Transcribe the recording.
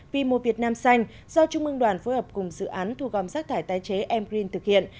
vì mùa việt nam xanh do trung mương đoàn phối hợp cùng dự án thu gom rác thải tái chế emgreen thực hiện